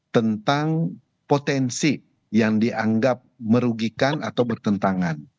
tentang potensi yang dianggap merugikan atau bertentangan